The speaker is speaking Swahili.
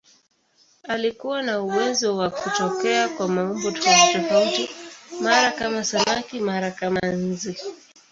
Alikuwa na uwezo wa kutokea kwa maumbo tofautitofauti, mara kama samaki, mara kama nzi.